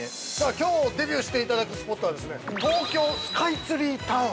◆きょうデビューしていただくスポットは、東京スカイツリータウン。